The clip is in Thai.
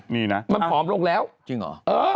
นี่นะจริงหรือ